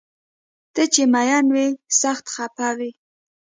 ته چې مین وي سخت خفه وي